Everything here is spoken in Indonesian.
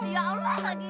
kapan dia menunggunya